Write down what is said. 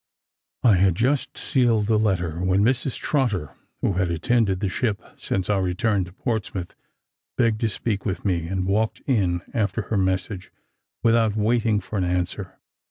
I had just sealed the letter, when Mrs Trotter, who had attended the ship since our return to Portsmouth, begged to speak with me, and walked in after her message, without waiting for an answer.